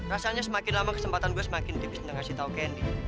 rasanya semakin lama kesempatan gue semakin tipis ngekasih tau kendy